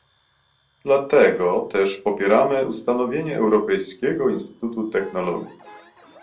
Dlatego też popieramy ustanowienie Europejskiego Instytutu Technologii